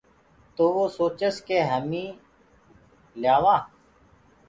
تو وو سوچس ڪي همي ليآوآنٚ